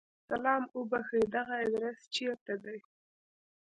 سلام! اوبښئ! دغه ادرس چیرته دی؟